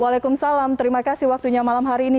waalaikumsalam terima kasih waktunya malam hari ini